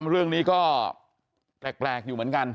เรื่องนี้ก็แปลกอยู่เหมือนกัน